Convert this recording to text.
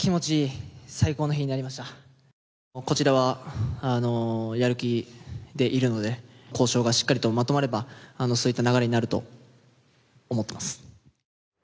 こちらがしっかりと挑めば交渉がしっかりとまとまればそういった流れになると思ってます。